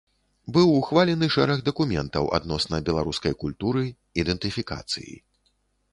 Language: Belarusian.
Быў ухвалены шэраг дакументаў адносна беларускай культуры, ідэнтыфікацыі.